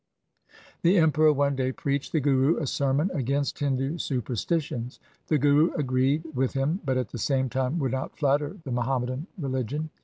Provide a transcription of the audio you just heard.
The Emperor one day preached the Guru a sermon against Hindu superstitions. The Guru agreed with him, but at the same time would not flatter the Muhammadan religion.